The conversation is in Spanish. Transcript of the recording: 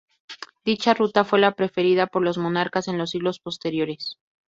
Dicha ruta fue la preferida por los monarcas en los siglos posteriores.